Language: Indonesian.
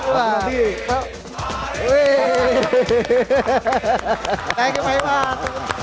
thank you pak iwan